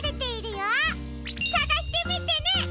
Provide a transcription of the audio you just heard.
さがしてみてね！